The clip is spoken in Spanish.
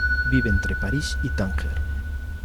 Vive entre París y Tanger.